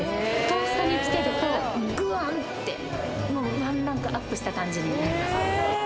トーストにつけるとぐわんってもうワンランクアップした感じになります